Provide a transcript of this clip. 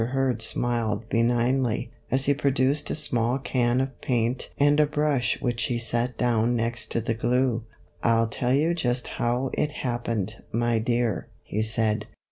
Hurd smiled benignly, as he produced a small can of paint and a brush which he set down next to the glue. " I '11 tell you just how it hap pened, my dear," he said.